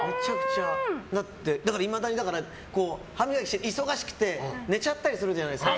だから、いまだに歯磨きして忙しくて寝ちゃったりするじゃないですか。